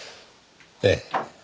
ええ。